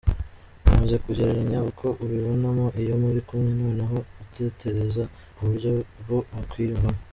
Umaze kugereranya uko ubibonamo iyo muri kumwe noneho utetereza ku buryo bo bakwiyumvamo.